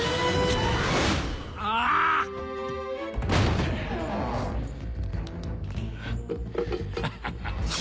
あ！ハハハ。